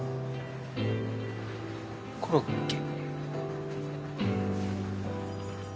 コロッケ。